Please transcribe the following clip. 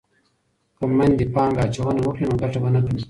که میندې پانګه اچونه وکړي نو ګټه به نه کمیږي.